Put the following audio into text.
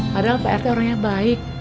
padahal prt orangnya baik